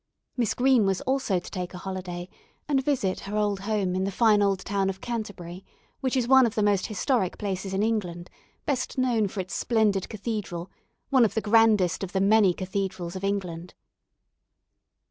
Miss Green was also to take a holiday, and visit her old home in the fine old town of Canterbury, which is one of the most historic places in England, best known for its splendid cathedral, one of the grandest of the many cathedrals of England.